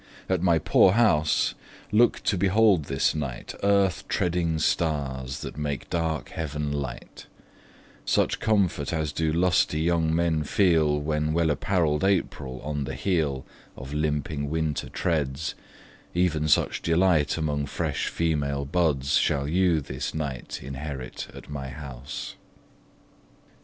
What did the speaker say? At my poor house, look to behold this night Earth treading stars that make dark heav'n light; Such comfort as do lusty young men feel When well apparel'd April on the heel Of limping winter treads, even such delight Among fresh female buds shall you this night Inherit at my house.